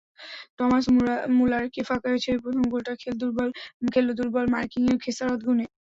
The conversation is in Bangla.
টমাস মুলারকে ফাঁকায় ছেড়ে প্রথম গোলটা খেল দুর্বল মার্কিংয়ের খেসারত গুনে।